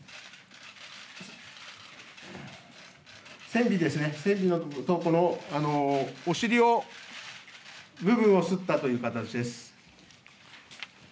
船尾ですね、船尾の所、お尻の部分をすったという形です。